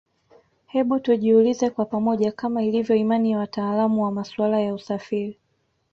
Hebu tujiulize kwa pamoja Kama ilivyo imani ya watalaamu wa masuala ya usafiri